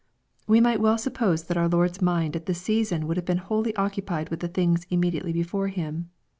'' We might well suppose that our Lord's mind at this season would have been wholly occupied with the things immediately before Him.